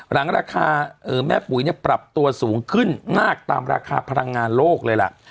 หลังราคาแม่ปุ๋ยปรับตัวสูงขึ้นมากตามราคาพลังงานโลกเลยล่ะ